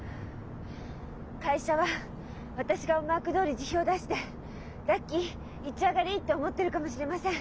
会社は私が思惑どおり辞表を出して「ラッキー！一丁あがり」って思ってるかもしれません。